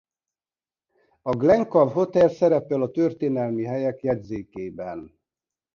A Glencove Hotel szerepel a történelmi helyek jegyzékébebn.